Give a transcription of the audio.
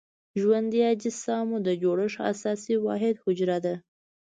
ژوندي اجسامو د جوړښت اساسي واحد حجره ده.